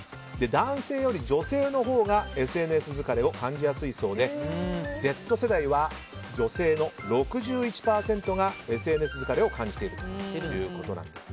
男性より女性のほうがＳＮＳ疲れを感じやすいそうでＺ世代は女性の６１％がＳＮＳ疲れを感じているということなんです。